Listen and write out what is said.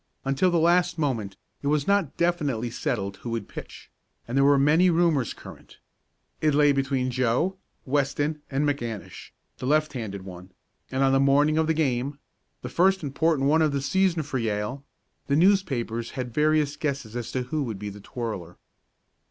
Until the last moment it was not definitely settled who would pitch, and there were many rumors current. It lay between Joe, Weston, and McAnish, the left handed one, and on the morning of the game the first important one of the season for Yale the newspapers had various guesses as to who would be the twirler.